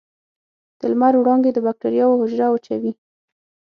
د لمر وړانګې د بکټریاوو حجره وچوي.